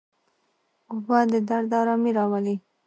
اوبه د درد آرامي راولي.